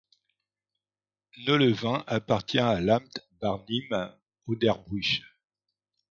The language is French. Neulewin appartient à l'Amt Barnim-Oderbruch.